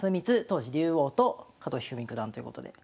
当時竜王と加藤一二三九段ということで。